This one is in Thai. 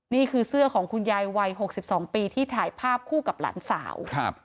นี่คือเสื้อของคุณยายวัย๖๒ปีที่ถ่ายภาพคู่กับหลานสาว